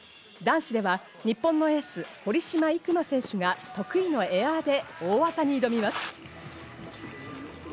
男子では日本のエース堀島行真選手が得意のエアで大技に挑みます。